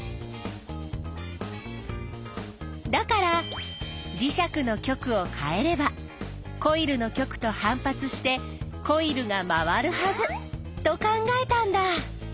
だから磁石の極を変えればコイルの極と反発してコイルが回るはずと考えたんだ。